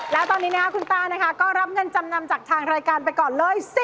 แล้วตอนนี้คุณต้านะคะก็รับเงินจำนำจากทางรายการไปก่อนเลย